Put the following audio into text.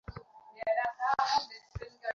এটা কি সেই ব্যাক্তি?